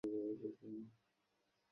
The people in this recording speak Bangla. এটা কাকতালীয় হতে পারে!